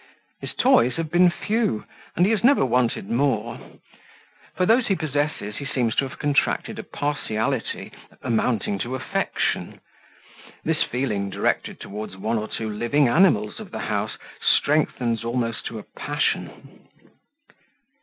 His toys have been few, and he has never wanted more. For those he possesses, he seems to have contracted a partiality amounting to affection; this feeling, directed towards one or two living animals of the house, strengthens almost to a passion.